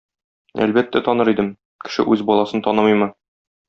Әлбәттә таныр идем, кеше үз баласын танымыймы.